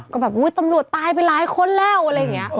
ก็แบบอุ๊ยตำรวจตายไปหลายคนแล้วอะไรอย่างนี้